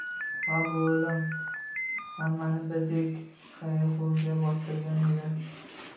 Ha, bu o’lim hammani birdek qayg’uga botirgan edi.